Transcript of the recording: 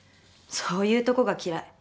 そういうとこが嫌い。